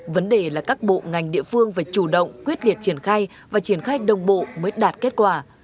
vấn đề là các bộ ngành địa phương phải chủ động quyết liệt triển khai và triển khai đồng bộ mới đạt kết quả